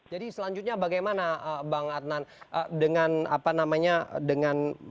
jadi selanjutnya bagaimana bang adnan dengan kasus seperti mafia pradis